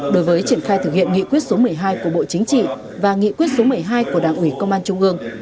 đối với triển khai thực hiện nghị quyết số một mươi hai của bộ chính trị và nghị quyết số một mươi hai của đảng ủy công an trung ương